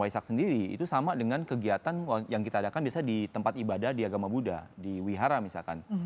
waisak sendiri itu sama dengan kegiatan yang kita adakan biasanya di tempat ibadah di agama buddha di wihara misalkan